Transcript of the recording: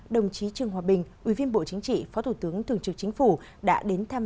đồng chí trương hòa bình ubnd phó thủ tướng thường trực chính phủ đã đến thăm